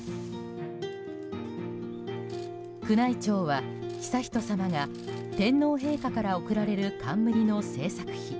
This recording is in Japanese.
宮内庁は悠仁さまが天皇陛下から贈られる冠の製作費